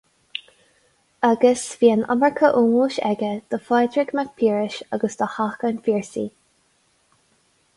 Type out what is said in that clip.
Agus bhí an iomarca ómóis aige do Phádraig Mac Piarais agus do Theach an Phiarsaigh.